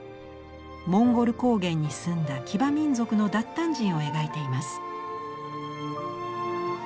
モンゴル高原に住んだ騎馬民族の韃靼人を描いています。